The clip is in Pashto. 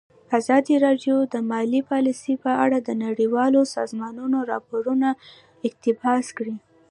ازادي راډیو د مالي پالیسي په اړه د نړیوالو سازمانونو راپورونه اقتباس کړي.